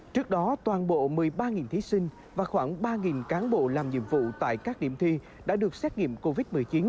trước đó toàn bộ một mươi ba thí sinh và khoảng ba cán bộ làm nhiệm vụ tại các điểm thi đã được xét nghiệm covid một mươi chín